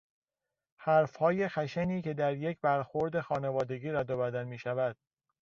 حرفهای خشنی که در یک برخورد خانوادگی رد و بدل میشود